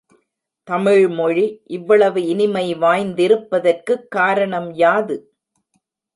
தமிழ்மொழி இவ்வளவு இனிமை வாய்ந்திருப்பதற்குக் காரணம் யாது?